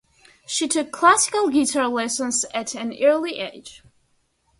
She took classical guitar lessons at an early age.